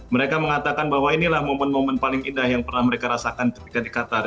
mereka mengatakan bahwa inilah momen momen paling indah yang pernah mereka rasakan ketika di qatar